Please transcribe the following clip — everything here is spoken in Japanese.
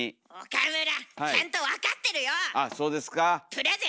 岡村ちゃんと分かってるよ！